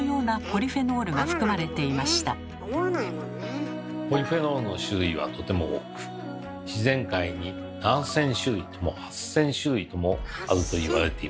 ポリフェノールの種類はとても多く自然界に７，０００種類とも８，０００種類ともあると言われています。